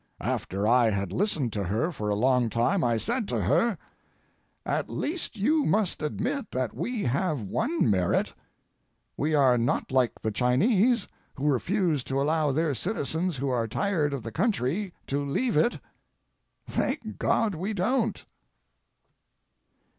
After I had listened to her for a long time, I said to her: "At least you must admit that we have one merit. We are not like the Chinese, who refuse to allow their citizens who are tired of the country to leave it. Thank God, we don't!"